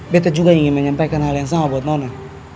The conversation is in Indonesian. bete juga ingin menyampaikan hal yang sama buat nona